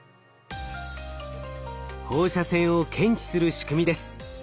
放射線を検知する仕組みです。